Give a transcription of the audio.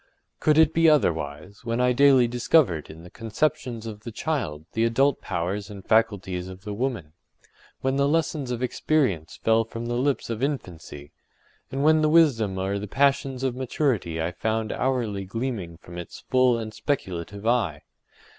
Could it be otherwise, when I daily discovered in the conceptions of the child the adult powers and faculties of the woman?—when the lessons of experience fell from the lips of infancy? and when the wisdom or the passions of maturity I found hourly gleaming from its full and speculative eye?